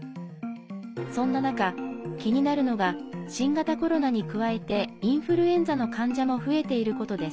そんな中、気になるのが新型コロナに加えてインフルエンザの患者も増えていることです。